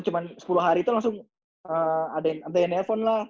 cuman sepuluh hari tuh langsung tolong minta yang telepon lah